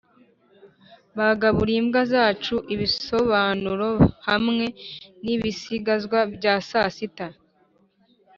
bagaburiye imbwa zacu ibisobanuro hamwe nibisigazwa bya sasita.